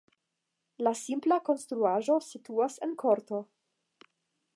La simpla konstruaĵo situas en korto.